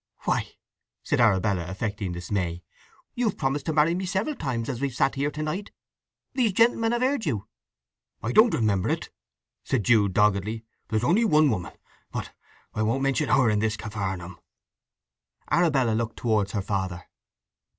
"Why!" said Arabella, affecting dismay. "You've promised to marry me several times as we've sat here to night. These gentlemen have heard you." "I don't remember it," said Jude doggedly. "There's only one woman—but I won't mention her in this Capharnaum!" Arabella looked towards her father.